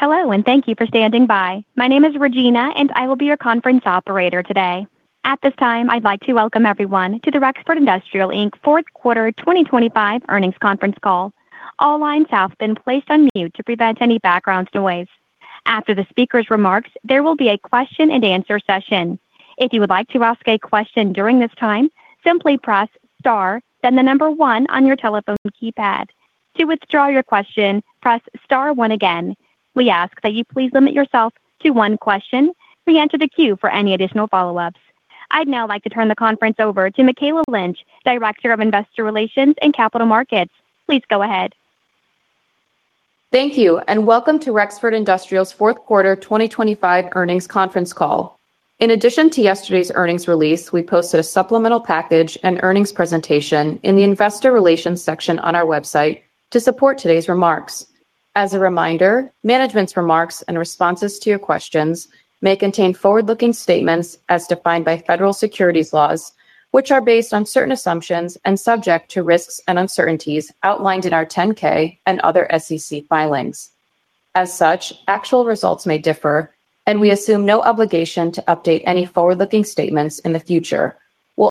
Hello, and thank you for standing by. My name is Regina, and I will be your conference operator today. At this time, I'd like to welcome everyone to the Rexford Industrial Inc. Fourth Quarter 2025 Earnings Conference Call. All lines have been placed on mute to prevent any background noise. After the speaker's remarks, there will be a question and answer session. If you would like to ask a question during this time, simply press Star, then the number one on your telephone keypad. To withdraw your question, press Star one again. We ask that you please limit yourself to one question. Re-enter the queue for any additional follow-ups. I'd now like to turn the conference over to Mikayla Lynch, Director of Investor Relations and Capital Markets. Please go ahead. Thank you, and welcome to Rexford Industrial's Fourth Quarter 2025 Earnings Conference Call. In addition to yesterday's earnings re-leasing, we posted a supplemental package and earnings presentation in the Investor Relations section on our website to support today's remarks. As a reminder, management's remarks and responses to your questions may contain forward-looking statements as defined by federal securities laws, which are based on certain assumptions and subject to risks and uncertainties outlined in our 10-K and other SEC filings. As such, actual results may differ, and we assume no obligation to update any forward-looking statements in the future. We'll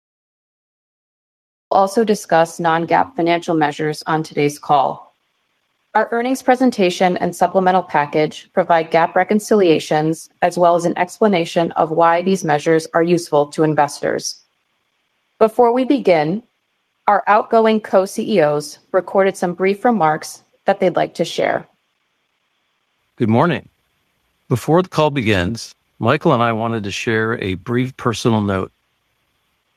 also discuss non-GAAP financial measures on today's call. Our earnings presentation and supplemental package provide GAAP reconciliations, as well as an explanation of why these measures are useful to investors. Before we begin, our outgoing Co-CEOs recorded some brief remarks that they'd like to share. Good morning. Before the call begins, Michael and I wanted to share a brief personal note.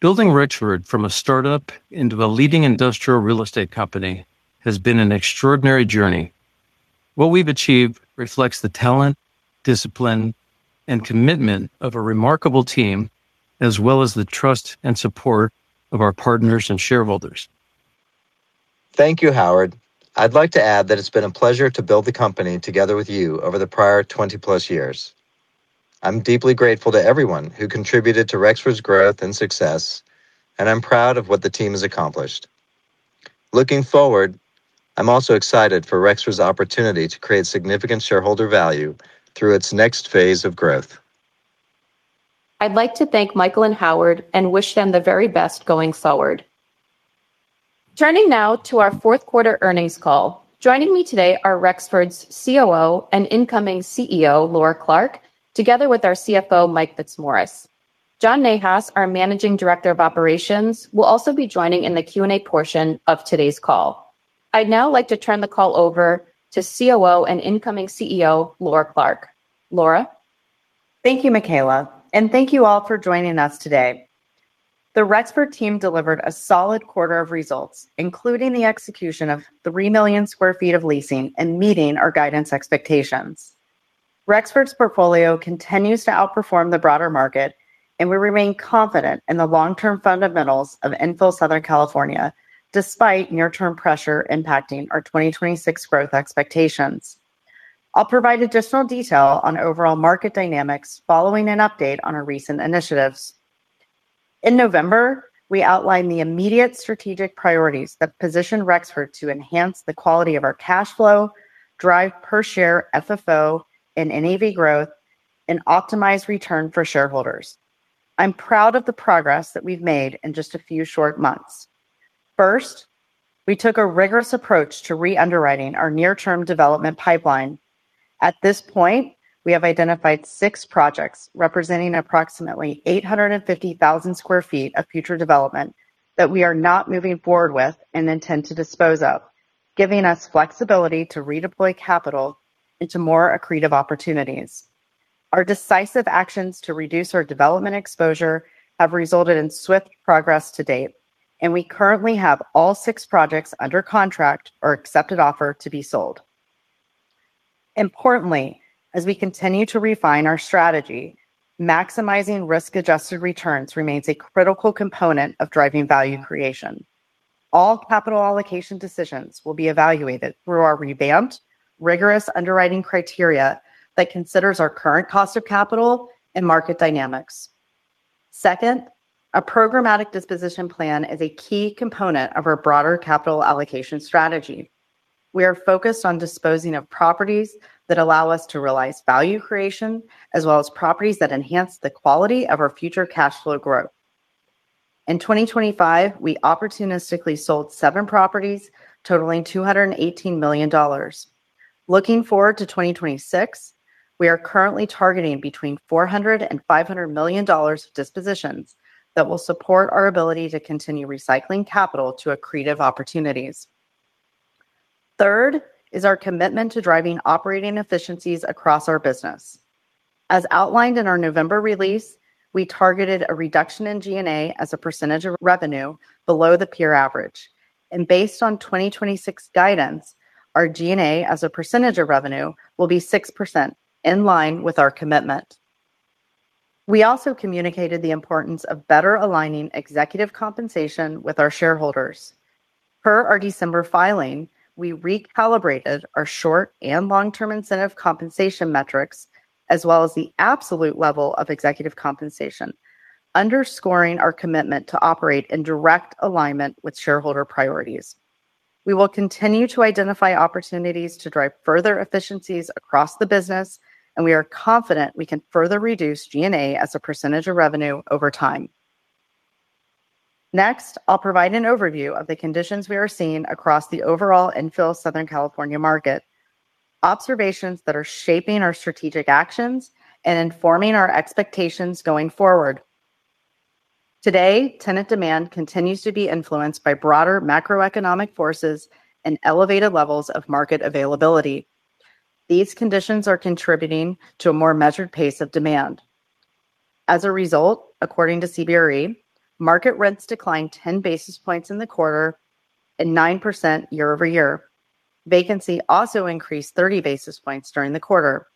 Building Rexford from a startup into a leading industrial real estate company has been an extraordinary journey. What we've achieved reflects the talent, discipline, and commitment of a remarkable team, as well as the trust and support of our partners and shareholders. Thank you, Howard. I'd like to add that it's been a pleasure to build the company together with you over the prior 20+ years. I'm deeply grateful to everyone who contributed to Rexford's growth and success, and I'm proud of what the team has accomplished. Looking forward, I'm also excited for Rexford's opportunity to create significant shareholder value through its next phase of growth. I'd like to thank Michael and Howard and wish them the very best going forward. Turning now to our fourth quarter earnings call. Joining me today are Rexford's COO and incoming CEO, Laura Clark, together with our CFO, Mike Fitzmaurice. John Nahas, our Managing Director of Operations, will also be joining in the Q&A portion of today's call. I'd now like to turn the call over to COO and incoming CEO, Laura Clark. Laura? Thank you, Mikayla, and thank you all for joining us today. The Rexford team delivered a solid quarter of results, including the execution of 3 million sq ft of leasing and meeting our guidance expectations. Rexford's portfolio continues to outperform the broader market, and we remain confident in the long-term fundamentals of infill Southern California, despite near-term pressure impacting our 2026 growth expectations. I'll provide additional detail on overall market dynamics following an update on our recent initiatives. In November, we outlined the immediate strategic priorities that position Rexford to enhance the quality of our cash flow, drive per share FFO and NAV growth, and optimize return for shareholders. I'm proud of the progress that we've made in just a few short months. First, we took a rigorous approach to re-underwriting our near-term development pipeline. At this point, we have identified six projects representing approximately 850,000 sq ft of future development that we are not moving forward with and intend to dispose of, giving us flexibility to redeploy capital into more accretive opportunities. Our decisive actions to reduce our development exposure have resulted in swift progress to date, and we currently have all six projects under contract or accepted offer to be sold. Importantly, as we continue to refine our strategy, maximizing risk-adjusted returns remains a critical component of driving value creation. All capital allocation decisions will be evaluated through our revamped, rigorous underwriting criteria that considers our current cost of capital and market dynamics. Second, a programmatic disposition plan is a key component of our broader capital allocation strategy. We are focused on disposing of properties that allow us to realize value creation, as well as properties that enhance the quality of our future cash flow growth. In 2025, we opportunistically sold seven properties, totaling $218 million. Looking forward to 2026, we are currently targeting between $400 million and $500 million of dispositions that will support our ability to continue recycling capital to accretive opportunities. Third is our commitment to driving operating efficiencies across our business. As outlined in our November release, we targeted a reduction in G&A as a percentage of revenue below the peer average, and based on 2026 guidance, our G&A as a percentage of revenue will be 6%, in line with our commitment. We also communicated the importance of better aligning executive compensation with our shareholders. Per our December filing, we recalibrated our short and long-term incentive compensation metrics, as well as the absolute level of executive compensation, underscoring our commitment to operate in direct alignment with shareholder priorities. We will continue to identify opportunities to drive further efficiencies across the business, and we are confident we can further reduce G&A as a percentage of revenue over time. Next, I'll provide an overview of the conditions we are seeing across the overall infill Southern California market, observations that are shaping our strategic actions and informing our expectations going forward. Today, tenant demand continues to be influenced by broader macroeconomic forces and elevated levels of market availability. These conditions are contributing to a more measured pace of demand. As a result, according to CBRE, market rents declined ten basis points in the quarter and 9% year-over-year. Vacancy also increased 30 basis points during the quarter.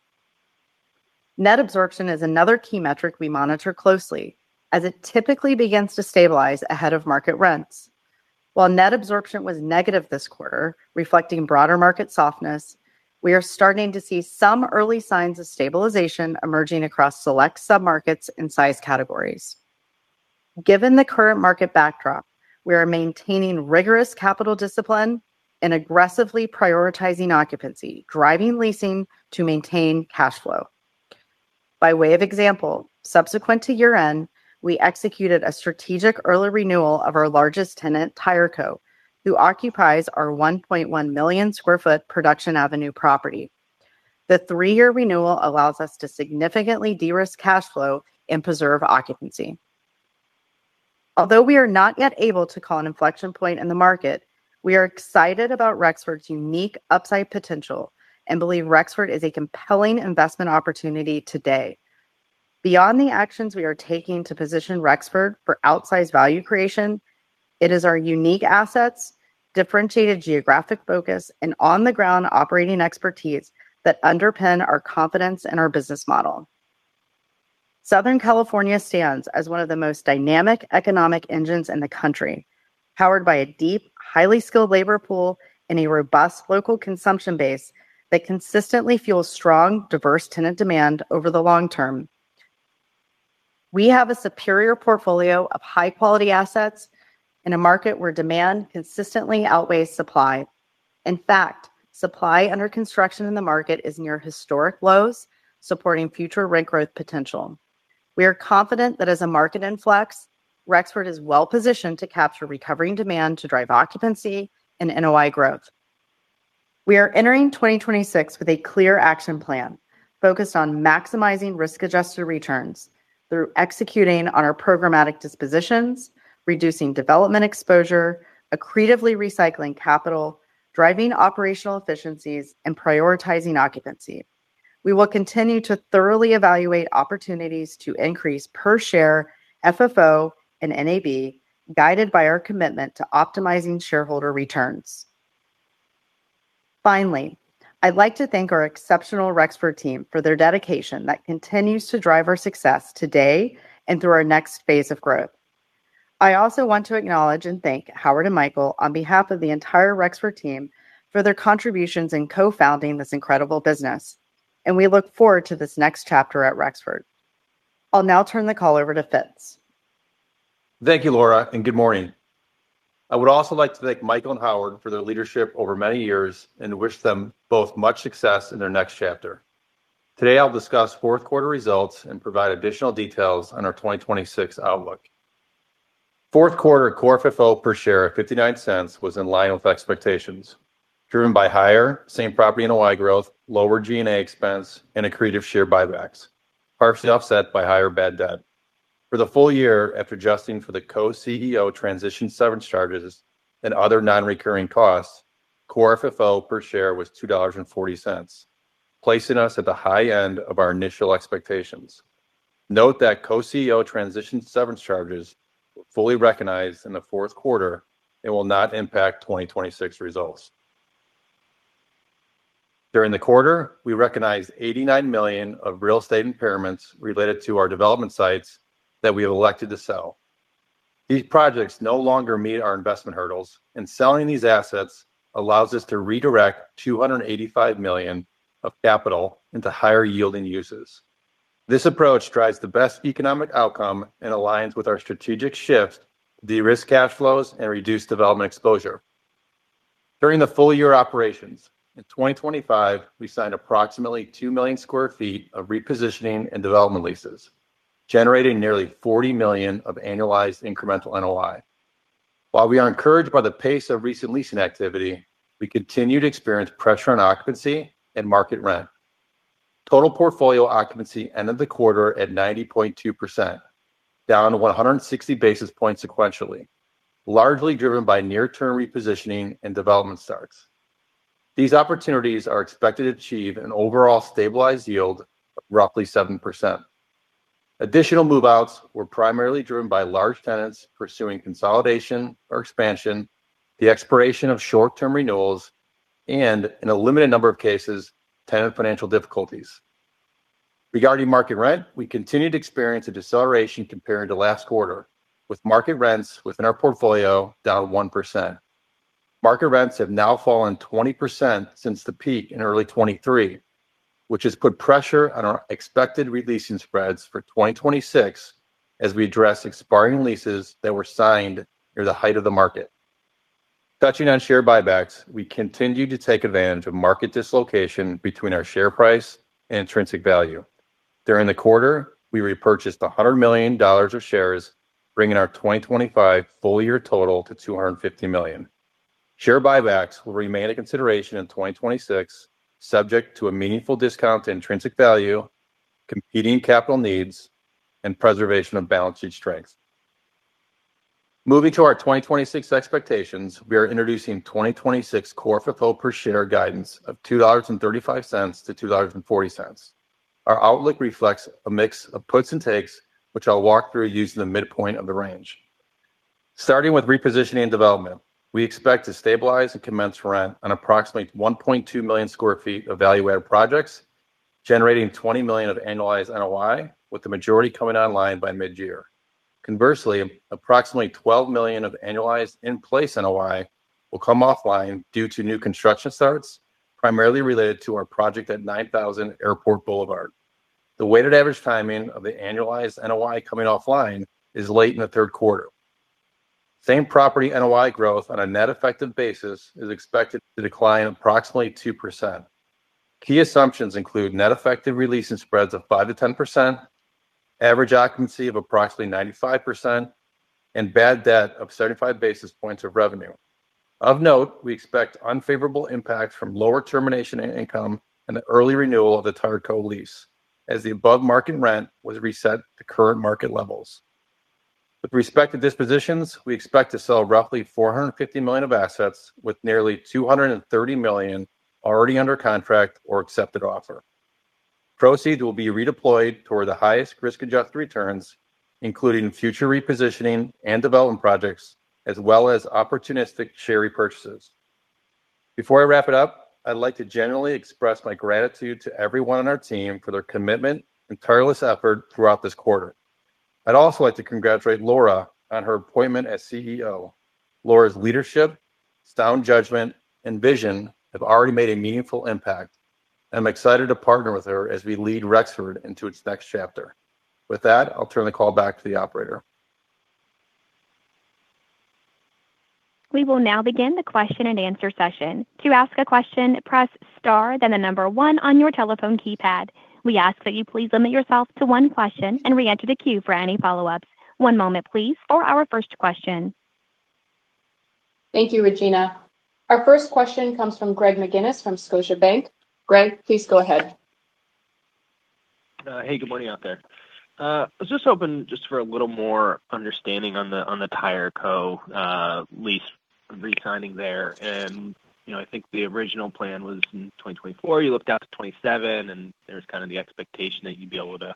Net absorption is another key metric we monitor closely, as it typically begins to stabilize ahead of market rents. While net absorption was negative this quarter, reflecting broader market softness, we are starting to see some early signs of stabilization emerging across select submarkets and size categories. Given the current market backdrop, we are maintaining rigorous capital discipline and aggressively prioritizing occupancy, driving leasing to maintain cash flow. By way of example, subsequent to year-end, we executed a strategic early renewal of our largest tenant, Tireco, who occupies our 1.1 million sq ft Production Avenue property. The three-year renewal allows us to significantly de-risk cash flow and preserve occupancy. Although we are not yet able to call an inflection point in the market, we are excited about Rexford's unique upside potential and believe Rexford is a compelling investment opportunity today. Beyond the actions we are taking to position Rexford for outsized value creation, it is our unique assets, differentiated geographic focus, and on-the-ground operating expertise that underpin our confidence in our business model. Southern California stands as one of the most dynamic economic engines in the country, powered by a deep, highly skilled labor pool and a robust local consumption base that consistently fuels strong, diverse tenant demand over the long term. We have a superior portfolio of high-quality assets in a market where demand consistently outweighs supply. In fact, supply under construction in the market is near historic lows, supporting future rent growth potential. We are confident that as a market in flux, Rexford is well positioned to capture recovering demand to drive occupancy and NOI growth. We are entering 2026 with a clear action plan focused on maximizing risk-adjusted returns through executing on our programmatic dispositions, reducing development exposure, accretively recycling capital, driving operational efficiencies, and prioritizing occupancy. We will continue to thoroughly evaluate opportunities to increase per share, FFO, and NAV, guided by our commitment to optimizing shareholder returns. Finally, I'd like to thank our exceptional Rexford team for their dedication that continues to drive our success today and through our next phase of growth. I also want to acknowledge and thank Howard and Michael on behalf of the entire Rexford team for their contributions in co-founding this incredible business, and we look forward to this next chapter at Rexford. I'll now turn the call over to Fitz. Thank you, Laura, and good morning. I would also like to thank Michael and Howard for their leadership over many years and wish them both much success in their next chapter. Today, I'll discuss fourth quarter results and provide additional details on our 2026 outlook. Fourth quarter Core FFO per share of $0.59 was in line with expectations, driven by higher Same Property NOI growth, lower G&A expense, and accretive share buybacks, partially offset by higher bad debt. For the full year, after adjusting for the co-CEO transition severance charges and other non-recurring costs, Core FFO per share was $2.40, placing us at the high end of our initial expectations. Note that co-CEO transition severance charges were fully recognized in the fourth quarter and will not impact 2026 results. During the quarter, we recognized $89 million of real estate impairments related to our development sites that we have elected to sell. These projects no longer meet our investment hurdles, and selling these assets allows us to redirect $285 million of capital into higher-yielding uses. This approach drives the best economic outcome and aligns with our strategic shift, de-risk cash flows, and reduce development exposure. During the full-year operations in 2025, we signed approximately 2 million sq ft of repositioning and development leases, generating nearly $40 million of annualized incremental NOI. While we are encouraged by the pace of recent leasing activity, we continue to experience pressure on occupancy and market rent. Total portfolio occupancy ended the quarter at 90.2%, down 160 basis points sequentially, largely driven by near-term repositioning and development starts. These opportunities are expected to achieve an overall stabilized yield of roughly 7%. Additional move-outs were primarily driven by large tenants pursuing consolidation or expansion, the expiration of short-term renewals, and in a limited number of cases, tenant financial difficulties. Regarding market rent, we continued to experience a deceleration compared to last quarter, with market rents within our portfolio down 1%. Market rents have now fallen 20% since the peak in early 2023.... which has put pressure on our expected re-leasing spreads for 2026, as we address expiring leases that were signed near the height of the market. Touching on share buybacks, we continue to take advantage of market dislocation between our share price and intrinsic value. During the quarter, we repurchased $100 million of shares, bringing our 2025 full year total to $250 million. Share buybacks will remain a consideration in 2026, subject to a meaningful discount to intrinsic value, competing capital needs, and preservation of balance sheet strength. Moving to our 2026 expectations, we are introducing 2026 core FFO per share guidance of $2.35-$2.40. Our outlook reflects a mix of puts and takes, which I'll walk through using the midpoint of the range. Starting with repositioning and development, we expect to stabilize and commence rent on approximately 1.2 million sq ft of evaluated projects, generating $20 million of annualized NOI, with the majority coming online by mid-year. Conversely, approximately $12 million of annualized in-place NOI will come offline due to new construction starts, primarily related to our project at 9000 Airport Boulevard. The weighted average timing of the annualized NOI coming offline is late in the third quarter. Same property NOI growth on a net effective basis is expected to decline approximately 2%. Key assumptions include net effective release and spreads of 5%-10%, average occupancy of approximately 95%, and bad debt of 35 basis points of revenue. Of note, we expect unfavorable impact from lower termination and income and the early renewal of the Tireco lease, as the above-market rent was reset to current market levels. With respect to dispositions, we expect to sell roughly $450 million of assets, with nearly $230 million already under contract or accepted offer. Proceeds will be redeployed toward the highest risk-adjusted returns, including future repositioning and development projects, as well as opportunistic share repurchases. Before I wrap it up, I'd like to generally express my gratitude to everyone on our team for their commitment and tireless effort throughout this quarter. I'd also like to congratulate Laura on her appointment as CEO. Laura's leadership, sound judgment, and vision have already made a meaningful impact. I'm excited to partner with her as we lead Rexford into its next chapter. With that, I'll turn the call back to the operator. We will now begin the question and answer session. To ask a question, press star, then 1 on your telephone keypad. We ask that you please limit yourself to one question and reenter the queue for any follow-ups. One moment, please, for our first question. Thank you, Regina. Our first question comes from Greg McGinniss from Scotiabank. Greg, please go ahead. Hey, good morning out there. I was just hoping for a little more understanding on the Tireco lease re-signing there. And, you know, I think the original plan was in 2024, you looked out to 2027, and there was kind of the expectation that you'd be able to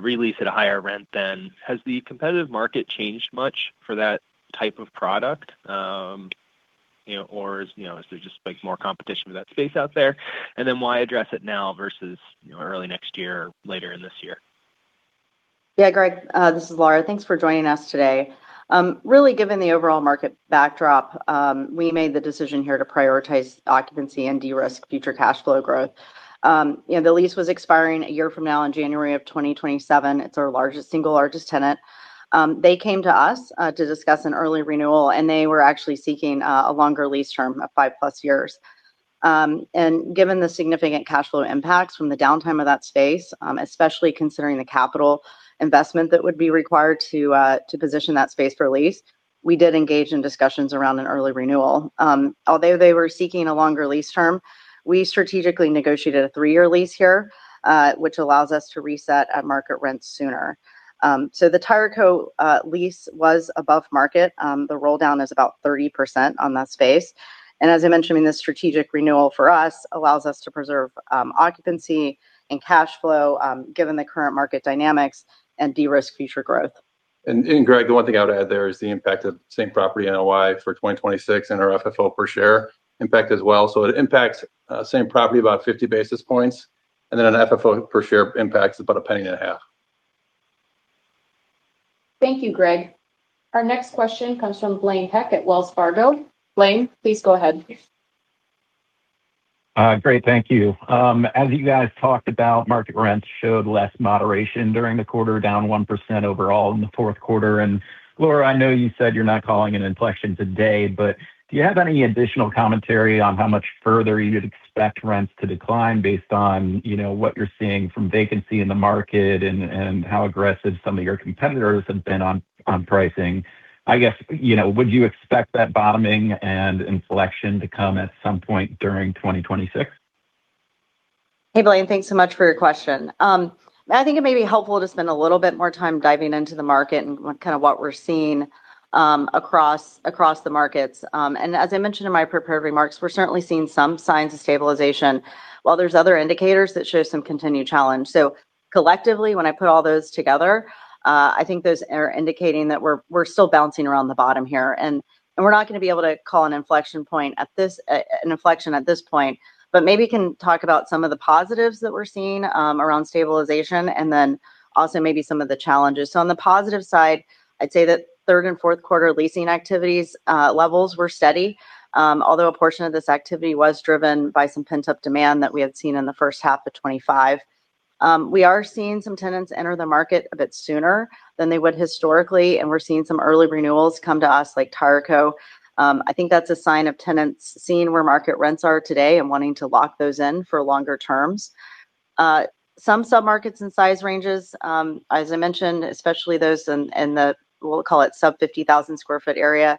release at a higher rent then. Has the competitive market changed much for that type of product? You know, or is, you know, is there just, like, more competition for that space out there? And then why address it now versus, you know, early next year or later in this year? Yeah, Greg, this is Laura. Thanks for joining us today. Really, given the overall market backdrop, we made the decision here to prioritize occupancy and de-risk future cash flow growth. You know, the lease was expiring a year from now, on January 2027. It's our largest, single largest tenant. They came to us to discuss an early renewal, and they were actually seeking a longer lease term of 5+ years. Given the significant cash flow impacts from the downtime of that space, especially considering the capital investment that would be required to position that space for lease, we did engage in discussions around an early renewal. Although they were seeking a longer lease term, we strategically negotiated a 3-year lease here, which allows us to reset at market rent sooner. So the Tireco lease was above market. The roll down is about 30% on that space. And as I mentioned, the strategic renewal for us allows us to preserve occupancy and cash flow, given the current market dynamics and de-risk future growth. And, Greg, the one thing I would add there is the impact of same property NOI for 2026 and our FFO per share impact as well. So it impacts same property about 50 basis points, and then an FFO per share impacts about $0.015. Thank you, Greg. Our next question comes from Blaine Heck at Wells Fargo. Blaine, please go ahead. Great, thank you. As you guys talked about, market rents showed less moderation during the quarter, down 1% overall in the fourth quarter. Laura, I know you said you're not calling an inflection today, but do you have any additional commentary on how much further you'd expect rents to decline based on, you know, what you're seeing from vacancy in the market and how aggressive some of your competitors have been on pricing? I guess, you know, would you expect that bottoming and inflection to come at some point during 2026? Hey, Blaine, thanks so much for your question. I think it may be helpful to spend a little bit more time diving into the market and kind of what we're seeing across the markets. And as I mentioned in my prepared remarks, we're certainly seeing some signs of stabilization, while there's other indicators that show some continued challenge. So collectively, when I put all those together, I think those are indicating that we're still bouncing around the bottom here, and we're not gonna be able to call an inflection point at this point, but maybe can talk about some of the positives that we're seeing around stabilization and then also maybe some of the challenges. So on the positive side, I'd say that third and fourth quarter leasing activities levels were steady, although a portion of this activity was driven by some pent-up demand that we had seen in the first half of 2025. We are seeing some tenants enter the market a bit sooner than they would historically, and we're seeing some early renewals come to us, like Tireco. I think that's a sign of tenants seeing where market rents are today and wanting to lock those in for longer terms. Some submarkets and size ranges, as I mentioned, especially those in the, we'll call it sub 50,000 sq ft area,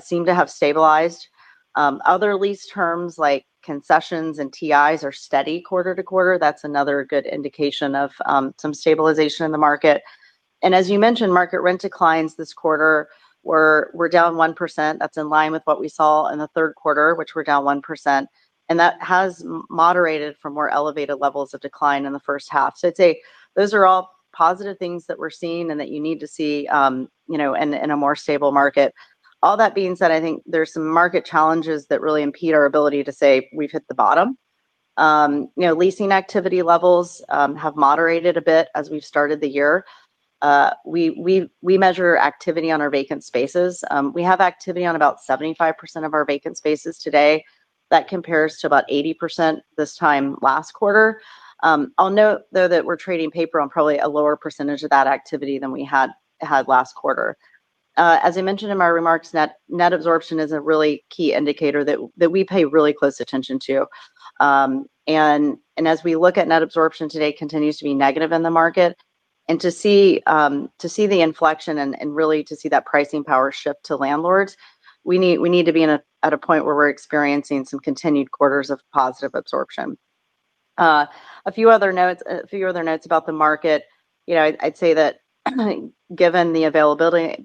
seem to have stabilized. Other lease terms like concessions and TIs are steady quarter to quarter. That's another good indication of some stabilization in the market. As you mentioned, market rent declines this quarter were down 1%. That's in line with what we saw in the third quarter, which were down 1%, and that has moderated from more elevated levels of decline in the first half. So I'd say those are all positive things that we're seeing and that you need to see, you know, in a more stable market. All that being said, I think there's some market challenges that really impede our ability to say we've hit the bottom. You know, leasing activity levels have moderated a bit as we've started the year. We measure activity on our vacant spaces. We have activity on about 75% of our vacant spaces today. That compares to about 80% this time last quarter. I'll note, though, that we're trading paper on probably a lower percentage of that activity than we had last quarter. As I mentioned in my remarks, net absorption is a really key indicator that we pay really close attention to. And as we look at net absorption today continues to be negative in the market. To see the inflection and really to see that pricing power shift to landlords, we need to be at a point where we're experiencing some continued quarters of positive absorption. A few other notes about the market. You know, I'd say that, given the availability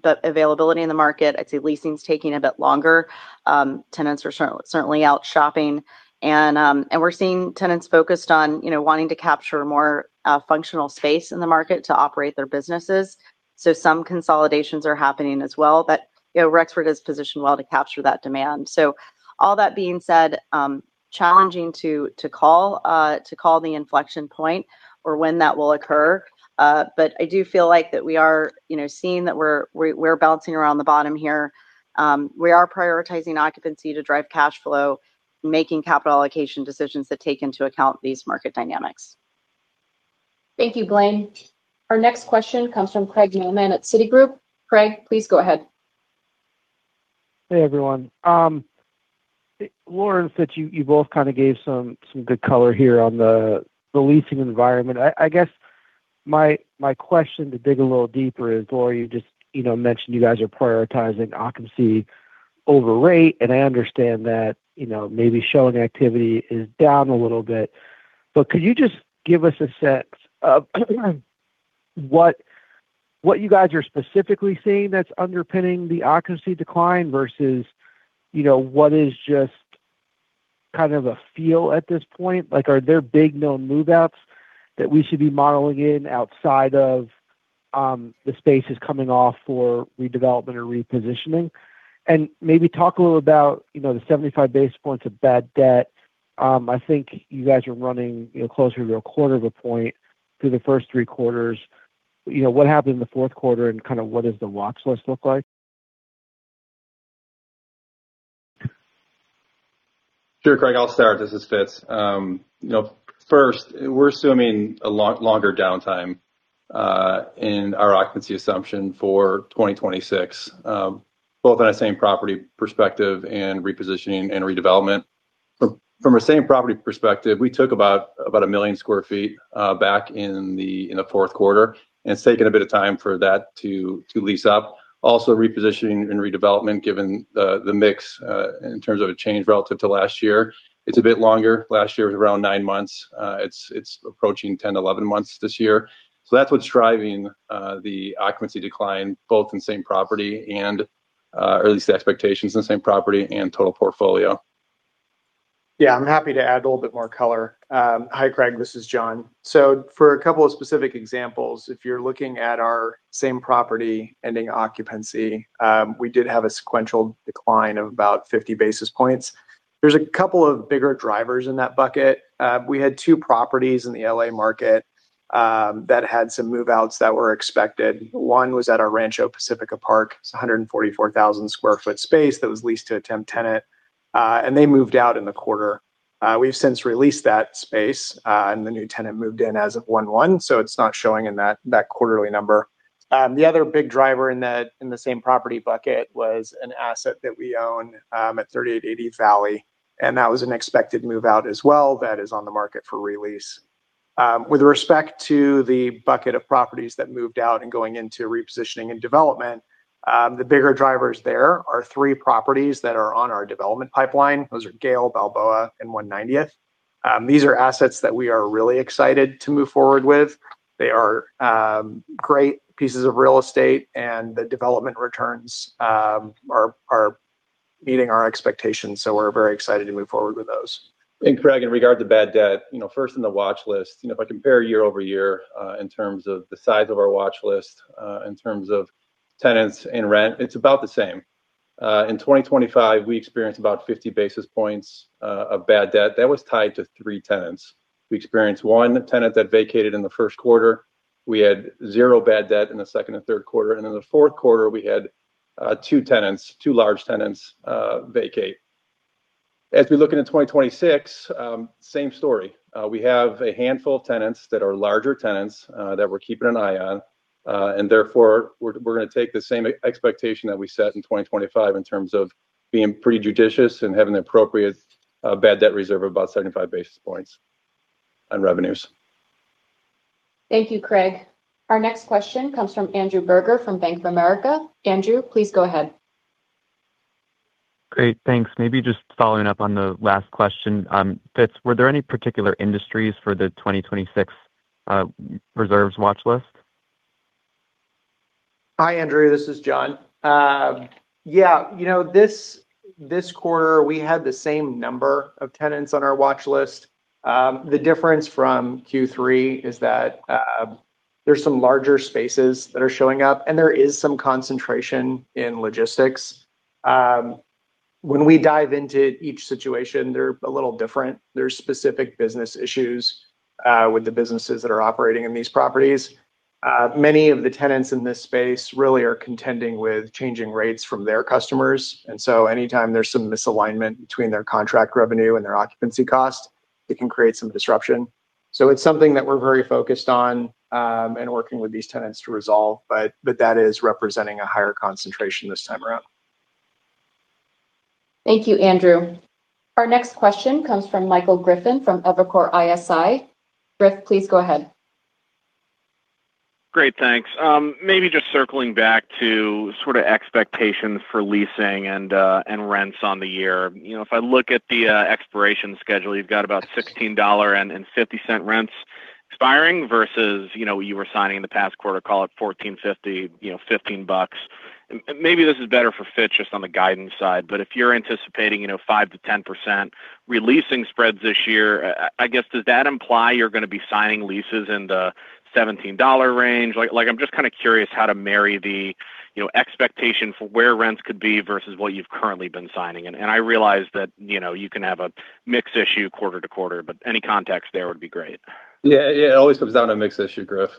in the market, leasing is taking a bit longer. Tenants are certainly out shopping, and we're seeing tenants focused on, you know, wanting to capture more functional space in the market to operate their businesses. So some consolidations are happening as well. But, you know, Rexford is positioned well to capture that demand. So all that being said, challenging to call the inflection point or when that will occur, but I do feel like that we are, you know, seeing that we're bouncing around the bottom here. We are prioritizing occupancy to drive cash flow, making capital allocation decisions that take into account these market dynamics. Thank you, Blaine. Our next question comes from Craig Mailman at Citigroup. Craig, please go ahead. Hey, everyone. Laura, Fitzmaurice, you both kind of gave some good color here on the leasing environment. I guess my question to dig a little deeper is, Laura, you just, you know, mentioned you guys are prioritizing occupancy over rate, and I understand that, you know, maybe showing activity is down a little bit. But could you just give us a sense of what you guys are specifically seeing that's underpinning the occupancy decline versus, you know, what is just kind of a feel at this point? Like, are there big known move-outs that we should be modeling in outside of the spaces coming off for redevelopment or repositioning? And maybe talk a little about, you know, the 75 basis points of bad debt. I think you guys are running, you know, closer to a quarter of a point through the first three quarters. You know, what happened in the fourth quarter, and kind of what does the watch list look like? Sure, Craig. I'll start. This is Fitz. You know, first, we're assuming a lot longer downtime in our occupancy assumption for 2026, both in a same property perspective and repositioning and redevelopment. From a same property perspective, we took about 1 million sq ft back in the fourth quarter, and it's taken a bit of time for that to lease up. Also, repositioning and redevelopment, given the mix in terms of a change relative to last year, it's a bit longer. Last year was around 9 months. It's approaching 10-11 months this year. So that's what's driving the occupancy decline, both in same property and, or at least the expectations in the same property and total portfolio. Yeah, I'm happy to add a little bit more color. Hi, Craig, this is John. So for a couple of specific examples, if you're looking at our same property ending occupancy, we did have a sequential decline of about 50 basis points. There's a couple of bigger drivers in that bucket. We had two properties in the LA market that had some move-outs that were expected. One was at our Rancho Pacifica Park. It's a 144,000 sq ft space that was leased to a temp tenant, and they moved out in the quarter. We've since released that space, and the new tenant moved in as of 1/1, so it's not showing in that, that quarterly number. The other big driver in the same property bucket was an asset that we own at 3880 Valley, and that was an expected move-out as well that is on the market for re-lease. With respect to the bucket of properties that moved out and going into repositioning and development, the bigger drivers there are three properties that are on our development pipeline. Those are Gale, Balboa, and 190th. These are assets that we are really excited to move forward with. They are great pieces of real estate, and the development returns are meeting our expectations, so we're very excited to move forward with those. Craig, in regard to bad debt, you know, first in the watch list, you know, if I compare year-over-year, in terms of the size of our watch list, in terms of tenants and rent, it's about the same. In 2025, we experienced about 50 basis points of bad debt. That was tied to three tenants. We experienced one tenant that vacated in the first quarter. We had zero bad debt in the second and third quarter, and in the fourth quarter, we had two tenants, two large tenants, vacate. As we look into 2026, same story. We have a handful of tenants that are larger tenants that we're keeping an eye on. And therefore, we're gonna take the same expectation that we set in 2025 in terms of being pretty judicious and having the appropriate bad debt reserve of about 75 basis points on revenues. Thank you, Craig. Our next question comes from Andrew Berger, from Bank of America. Andrew, please go ahead. Great, thanks. Maybe just following up on the last question. Fitz, were there any particular industries for the 2026 reserves watch list? Hi, Andrew. This is John. Yeah, you know, this quarter, we had the same number of tenants on our watchlist. The difference from Q3 is that, there's some larger spaces that are showing up, and there is some concentration in logistics. When we dive into each situation, they're a little different. There's specific business issues with the businesses that are operating in these properties. Many of the tenants in this space really are contending with changing rates from their customers. And so anytime there's some misalignment between their contract revenue and their occupancy cost, it can create some disruption. So it's something that we're very focused on, and working with these tenants to resolve, but that is representing a higher concentration this time around. Thank you, Andrew. Our next question comes from Michael Griffin, from Evercore ISI. Griff, please go ahead. Great, thanks. Maybe just circling back to sort of expectations for leasing and rents on the year. You know, if I look at the expiration schedule, you've got about $16.50 rents expiring versus, you know, what you were signing in the past quarter, call it $14.50, you know, $15. Maybe this is better for Fitz just on the guidance side, but if you're anticipating, you know, 5%-10% re-leasing spreads this year, I guess, does that imply you're gonna be signing leases in the $17 range? Like, I'm just kinda curious how to marry the, you know, expectation for where rents could be versus what you've currently been signing. I realize that, you know, you can have a mix issue quarter to quarter, but any context there would be great. Yeah, yeah. It always comes down to a mix issue, Griff,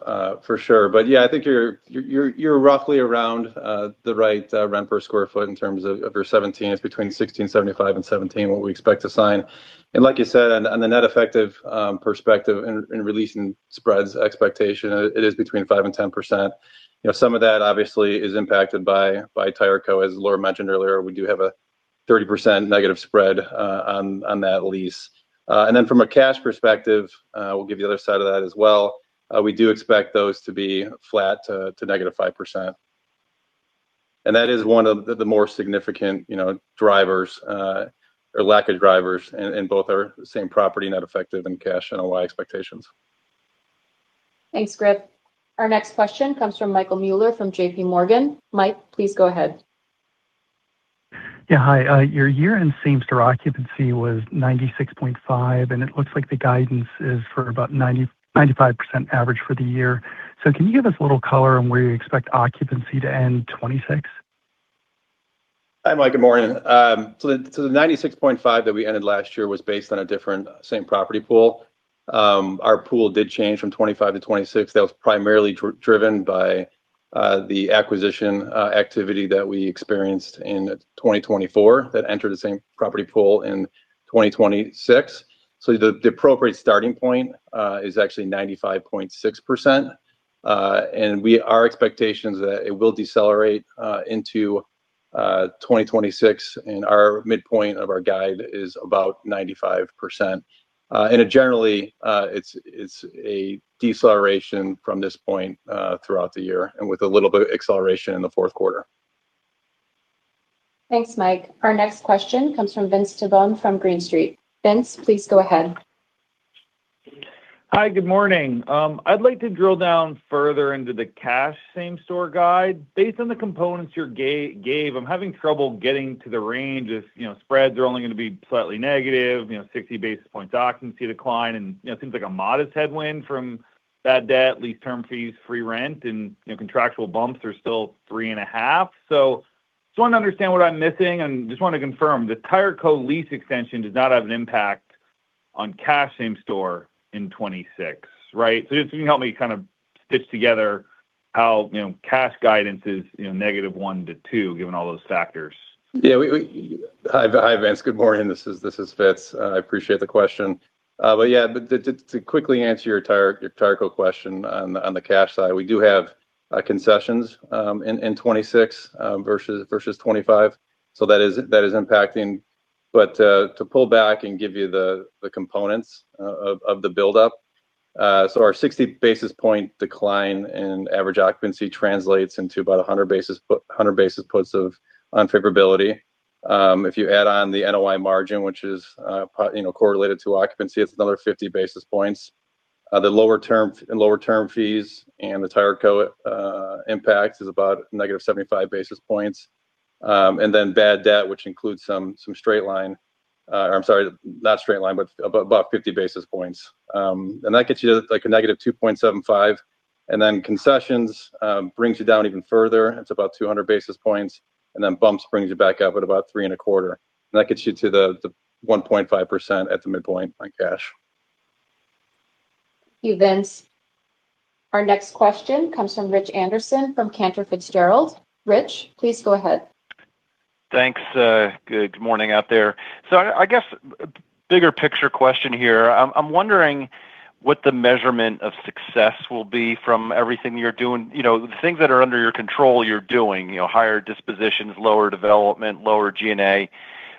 for sure. But, yeah, I think you're roughly around the right rent per sq ft in terms of your 17. It's between 16.75 and 17, what we expect to sign. And like you said, on the net effective perspective in re-leasing spreads expectation, it is between 5% and 10%. You know, some of that obviously is impacted by Tireco. As Laura mentioned earlier, we do have a 30% negative spread on that lease. And then from a cash perspective, we'll give you the other side of that as well. We do expect those to be flat to -5%. And that is one of the more significant, you know, drivers, or lack of drivers in both our same property, net effective and cash NOI expectations. Thanks, Griff. Our next question comes from Michael Mueller from JPMorgan. Mike, please go ahead. Yeah, hi. Your year-end same store occupancy was 96.5, and it looks like the guidance is for about 95% average for the year. So can you give us a little color on where you expect occupancy to end 2026? Hi, Mike. Good morning. So the 96.5 that we ended last year was based on a different same property pool. Our pool did change from 2025 to 2026. That was primarily driven by the acquisition activity that we experienced in 2024, that entered the same property pool in 2026. So the appropriate starting point is actually 95.6%. And our expectation's that it will decelerate into 2026, and our midpoint of our guide is about 95%. And generally, it's a deceleration from this point throughout the year and with a little bit of acceleration in the fourth quarter. Thanks, Mike. Our next question comes from Vince Tibone, from Green Street. Vince, please go ahead. Hi, good morning. I'd like to drill down further into the cash same store guide. Based on the components you gave, I'm having trouble getting to the range. If, you know, spreads are only gonna be slightly negative, you know, 60 basis point occupancy decline, and, you know, it seems like a modest headwind from Bad Debt, lease term fees, free rent, and, you know, contractual bumps are still 3.5. So just want to understand what I'm missing, and just want to confirm: the Tireco lease extension does not have an impact on cash same store in 2026, right? So if you can help me kind of stitch together how, you know, cash guidance is, you know, negative 1 to 2, given all those factors. Yeah, Hi, Vince. Good morning. This is Fitz. I appreciate the question. But yeah, to quickly answer your Tireco question on the cash side, we do have concessions in 2026 versus 2025. So that is impacting. But to pull back and give you the components of the buildup, so our 60 basis point decline in average occupancy translates into about 100 basis points of unfavorability. If you add on the NOI margin, which is, you know, correlated to occupancy, it's another 50 basis points. The lower term fees and the Tireco impact is about negative 75 basis points. And then bad debt, which includes some straight line... I'm sorry, not straight line, but about 50 basis points. And that gets you to, like, a -2.75. And then concessions brings you down even further. It's about 200 basis points, and then bumps brings you back up at about 3.25. And that gets you to the 1.5% at the midpoint on cash.... Thank you, Vince. Our next question comes from Rich Anderson from Cantor Fitzgerald. Rich, please go ahead. Thanks. Good morning out there. So I guess, bigger picture question here. I'm wondering what the measurement of success will be from everything you're doing. You know, the things that are under your control, you're doing, you know, higher dispositions, lower development, lower G&A.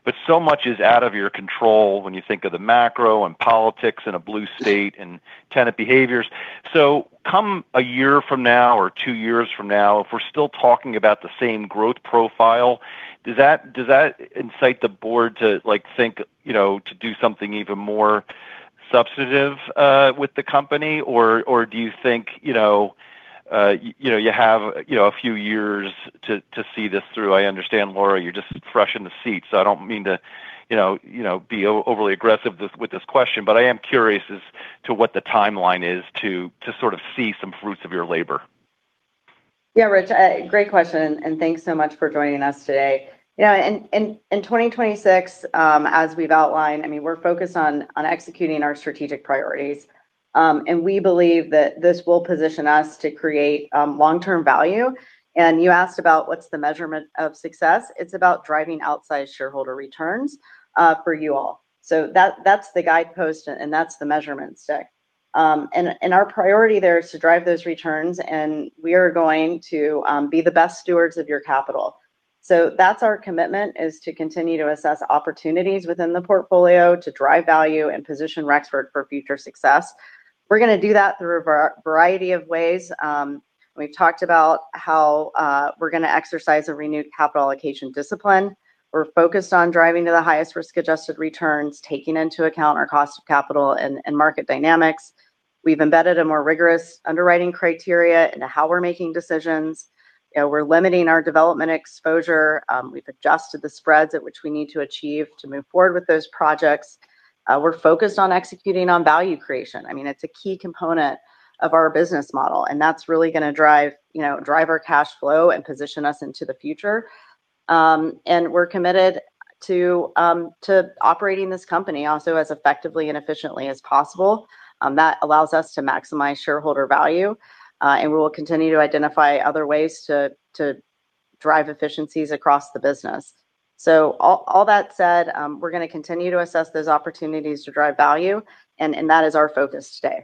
But so much is out of your control when you think of the macro, and politics, and a blue state, and tenant behaviors. So come a year from now or two years from now, if we're still talking about the same growth profile, does that incite the board to, like, think, you know, to do something even more substantive with the company? Or do you think, you know, you have, you know, a few years to see this through? I understand, Laura, you're just fresh in the seat, so I don't mean to, you know, you know, be overly aggressive with this question, but I am curious as to what the timeline is to sort of see some fruits of your labor. Yeah, Rich, great question, and thanks so much for joining us today. You know, in 2026, as we've outlined, I mean, we're focused on executing our strategic priorities. And we believe that this will position us to create long-term value. And you asked about what's the measurement of success. It's about driving outside shareholder returns for you all. So that's the guidepost, and that's the measurement stick. And our priority there is to drive those returns, and we are going to be the best stewards of your capital. So that's our commitment, is to continue to assess opportunities within the portfolio to drive value and position Rexford for future success. We're gonna do that through a variety of ways. We've talked about how we're gonna exercise a renewed capital allocation discipline. We're focused on driving to the highest risk-adjusted returns, taking into account our cost of capital and market dynamics. We've embedded a more rigorous underwriting criteria into how we're making decisions. You know, we're limiting our development exposure. We've adjusted the spreads at which we need to achieve to move forward with those projects. We're focused on executing on value creation. I mean, it's a key component of our business model, and that's really gonna drive, you know, drive our cash flow and position us into the future. And we're committed to operating this company also as effectively and efficiently as possible. That allows us to maximize shareholder value, and we will continue to identify other ways to drive efficiencies across the business. So all that said, we're gonna continue to assess those opportunities to drive value, and that is our focus today.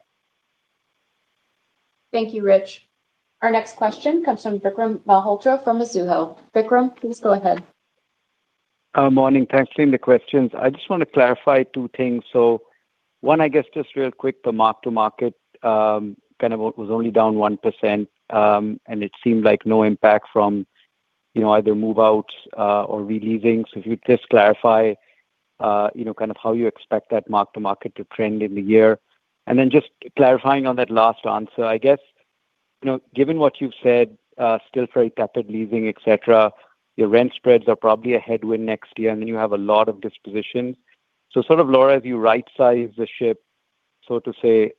Thank you, Rich. Our next question comes from Vikram Malhotra from Mizuho. Vikram, please go ahead. Morning. Thanks for taking the questions. I just want to clarify two things. So one, I guess just real quick, the mark-to-market, kind of was only down 1%, and it seemed like no impact from, you know, either move-outs, or re-leasing. So if you'd just clarify, you know, kind of how you expect that mark-to-market to trend in the year. And then just clarifying on that last answer, I guess, you know, given what you've said, still very tepid leasing, et cetera, your rent spreads are probably a headwind next year, and then you have a lot of disposition. So sort of, Laura, as you right-size the ship, so to say,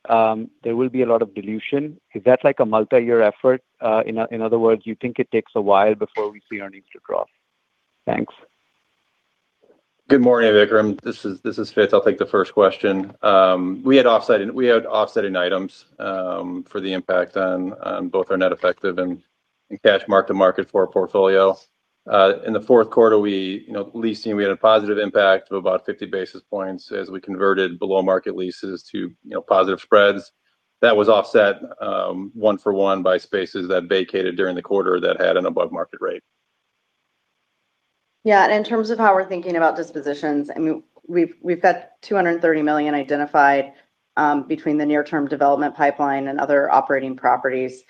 there will be a lot of dilution. Is that like a multi-year effort? In other words, you think it takes a while before we see earnings to drop? Thanks. Good morning, Vikram. This is, this is Fitz. I'll take the first question. We had offsetting, we had offsetting items for the impact on, on both our net effective and, and cash mark-to-market for our portfolio. In the fourth quarter, we, you know, leasing, we had a positive impact of about 50 basis points as we converted below-market leases to, you know, positive spreads. That was offset one for one by spaces that vacated during the quarter that had an above-market rate. Yeah, and in terms of how we're thinking about dispositions, I mean, we've, we've got $230 million identified between the near-term development pipeline and other operating properties.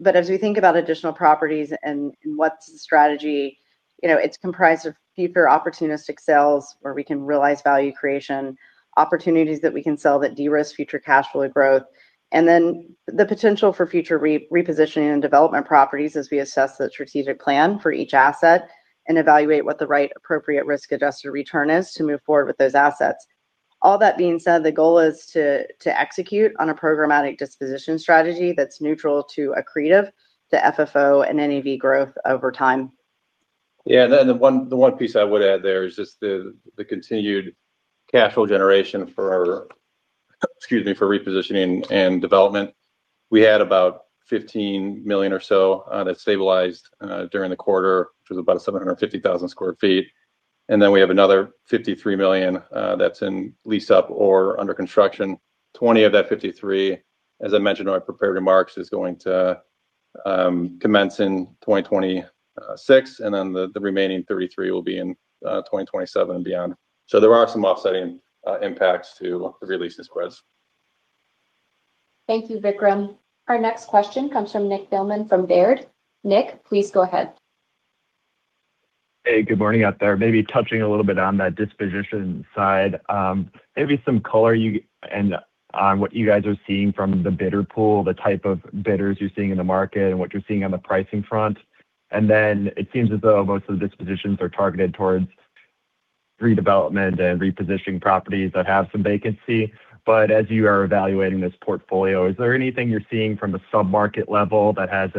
But as we think about additional properties and, and what's the strategy, you know, it's comprised of future opportunistic sales where we can realize value creation, opportunities that we can sell that de-risk future cash flow growth, and then the potential for future repositioning and development properties as we assess the strategic plan for each asset and evaluate what the right appropriate risk-adjusted return is to move forward with those assets. All that being said, the goal is to execute on a programmatic disposition strategy that's neutral to accretive, to FFO and NAV growth over time. Yeah, then the one piece I would add there is just the continued cash flow generation for, excuse me, for repositioning and development. We had about $15 million or so that stabilized during the quarter, which was about 750,000 sq ft. And then we have another 53 million that's in lease up or under construction. 20 of that 53, as I mentioned in my prepared remarks, is going to commence in 2026, and then the remaining 33 will be in 2027 and beyond. So there are some offsetting impacts to the re-leasing spreads. Thank you, Vikram. Our next question comes from Nicholas Thillman from Baird. Nick, please go ahead. Hey, good morning out there. Maybe touching a little bit on that disposition side, maybe some color, and on what you guys are seeing from the bidder pool, the type of bidders you're seeing in the market, and what you're seeing on the pricing front. And then it seems as though most of the dispositions are targeted towards redevelopment and repositioning properties that have some vacancy. But as you are evaluating this portfolio, is there anything you're seeing from a sub-market level that has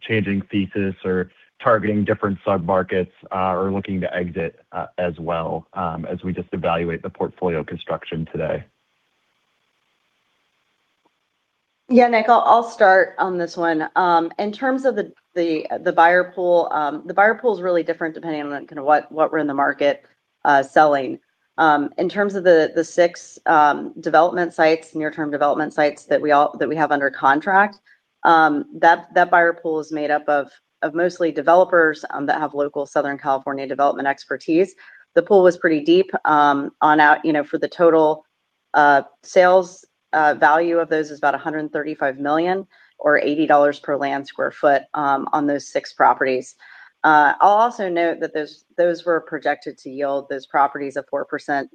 changing thesis or targeting different submarkets, or looking to exit, as well, as we just evaluate the portfolio construction today? Yeah, Nick, I'll start on this one. In terms of the buyer pool, the buyer pool is really different depending on kind of what we're in the market selling. In terms of the six development sites, near-term development sites that we have under contract, that buyer pool is made up of mostly developers that have local Southern California development expertise. The pool was pretty deep. Overall, you know, for the total sales value of those is about $135 million, or $80 per land sq ft on those six properties. I'll also note that those were projected to yield those properties a 4%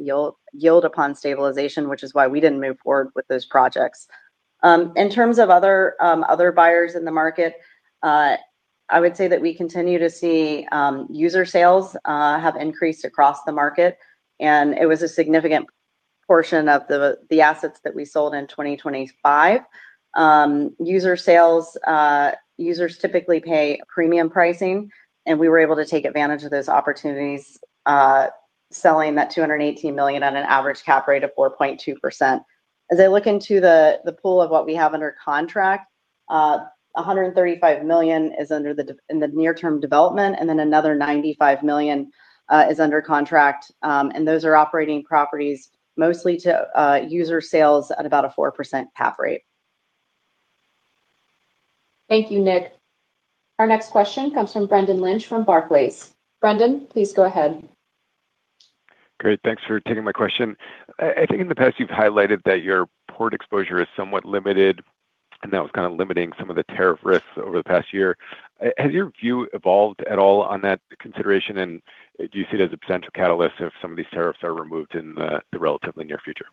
yield upon stabilization, which is why we didn't move forward with those projects. In terms of other buyers in the market, I would say that we continue to see user sales have increased across the market, and it was a significant portion of the assets that we sold in 2025. User sales, users typically pay premium pricing, and we were able to take advantage of those opportunities, selling that $218 million on an average cap rate of 4.2%. As I look into the pool of what we have under contract, $135 million is under development in the near-term development, and then another $95 million is under contract. And those are operating properties mostly to user sales at about a 4% cap rate. Thank you, Nick. Our next question comes from Brendan Lynch from Barclays. Brendan, please go ahead. Great, thanks for taking my question. I, I think in the past, you've highlighted that your port exposure is somewhat limited, and that was kind of limiting some of the tariff risks over the past year. Has your view evolved at all on that consideration, and do you see it as a potential catalyst if some of these tariffs are removed in the, the relatively near future?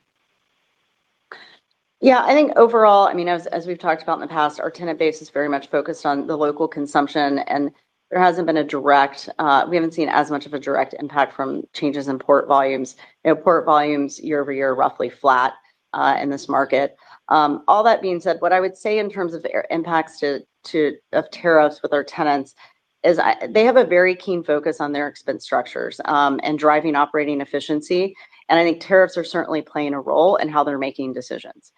Yeah, I think overall, I mean, as we've talked about in the past, our tenant base is very much focused on the local consumption, and there hasn't been a direct. We haven't seen as much of a direct impact from changes in port volumes. You know, port volumes year-over-year are roughly flat in this market. All that being said, what I would say in terms of the impacts of tariffs with our tenants is they have a very keen focus on their expense structures and driving operating efficiency, and I think tariffs are certainly playing a role in how they're making decisions.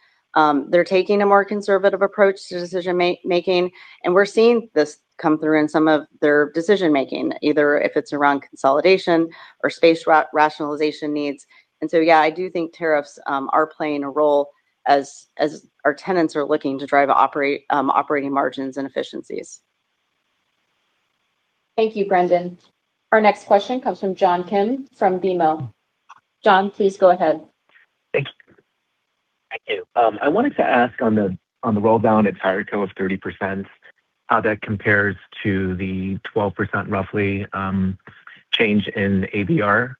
They're taking a more conservative approach to decision making, and we're seeing this come through in some of their decision making, either if it's around consolidation or space rationalization needs. So, yeah, I do think tariffs are playing a role as our tenants are looking to drive operating margins and efficiencies. Thank you, Brendan. Our next question comes from John Kim from BMO. John, please go ahead. Thank you. Thank you. I wanted to ask on the, on the roll down at Tireco of 30%, how that compares to the 12%, roughly, change in AVR.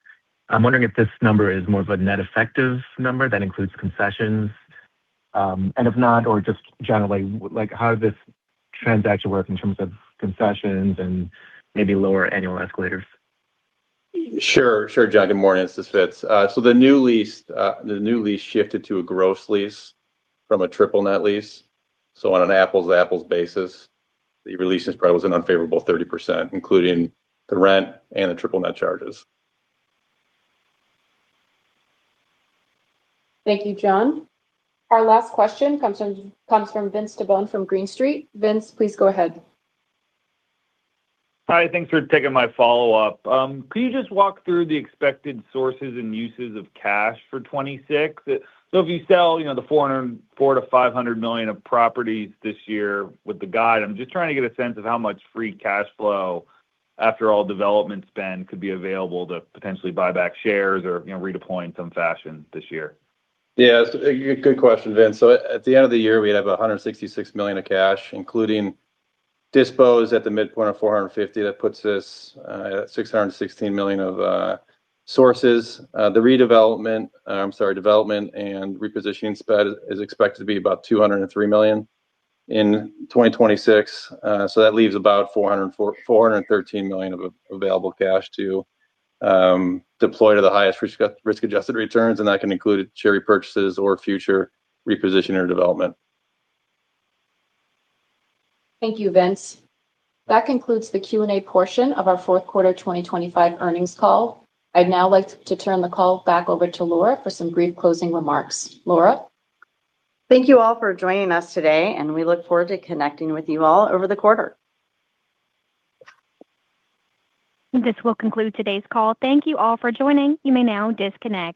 I'm wondering if this number is more of a net effective number that includes concessions. And if not, or just generally, like, how did this transaction work in terms of concessions and maybe lower annual escalators? Sure. Sure, John. Good morning. It's Fitz. So the new lease, the new lease shifted to a gross lease from a triple net lease. So on an apples-to-apples basis, the release spread was an unfavorable 30%, including the rent and the triple net charges. Thank you, John. Our last question comes from Vince Tibone from Green Street. Vince, please go ahead. Hi, thanks for taking my follow-up. Could you just walk through the expected sources and uses of cash for 2026? So if you sell, you know, the $404 million-$500 million of properties this year with the guide, I'm just trying to get a sense of how much free cash flow, after all development spend, could be available to potentially buy back shares or, you know, redeploy in some fashion this year. Yeah, it's a good question, Vince. So at the end of the year, we'd have $166 million of cash, including dispositions at the midpoint of $450 million. That puts us at $616 million of sources. The redevelopment, sorry, development and repositioning spend is expected to be about $203 million in 2026. So that leaves about $413 million of available cash to deploy to the highest risk, risk-adjusted returns, and that can include share repurchases or future reposition or development. Thank you, Vince. That concludes the Q&A portion of our fourth quarter earnings call. I'd now like to turn the call back over to Laura for some brief closing remarks. Laura? Thank you all for joining us today, and we look forward to connecting with you all over the quarter. This will conclude today's call. Thank you all for joining. You may now disconnect.